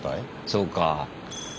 そうか。